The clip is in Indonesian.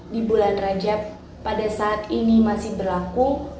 di bulan rajab pada saat ini masih berlaku